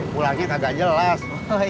pulangnya kagak jelas